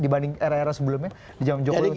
dibanding era era sebelumnya